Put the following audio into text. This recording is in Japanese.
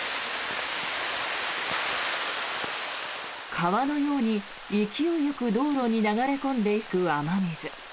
川のように勢いよく道路に流れ込んでいく雨水。